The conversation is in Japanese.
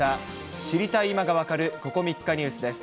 知りたい今がわかるここ３日ニュースです。